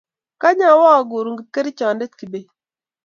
kany awa akuru kipkerichonde Kibet